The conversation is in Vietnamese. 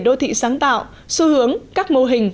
đô thị sáng tạo xu hướng các mô hình